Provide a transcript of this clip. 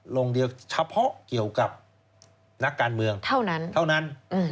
ลงเดียวเฉพาะเกี่ยวกับนักการเมืองเท่านั้นเท่านั้น